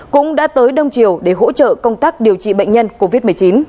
cũng đã tới đông triều để hỗ trợ công tác điều trị bệnh nhân covid một mươi chín